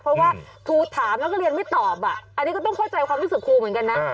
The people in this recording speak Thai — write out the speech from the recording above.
เพราะว่าครูถามนักเรียนไม่ตอบอันนี้ก็ต้องเข้าใจความรู้สึกครูเหมือนกันนะ